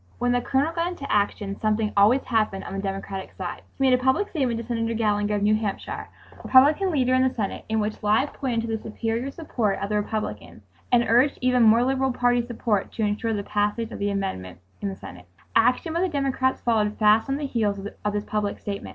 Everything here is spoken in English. When the Colonel got into action something always happened on the Democratic side. He made a public statement to Senator Gallinger of New Hampshire, Republican leader in the Senate, in which lie pointed to the superior support of the Republicans and urged even more liberal party support to ensure the passage of the amendment in the Senate. Action by the Democrats followed fast on the heels of this public statement.